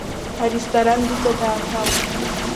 Аресторан Риҵа даҭаалон.